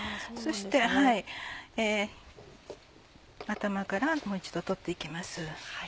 頭からもう一度取って行きます。